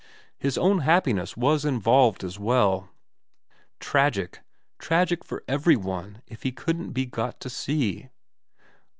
His own happiness was involved as well. Tragic, tragic for every one if he couldn't be got to see.